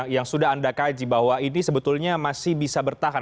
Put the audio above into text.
yang sudah anda kaji bahwa ini sebetulnya masih bisa bertahan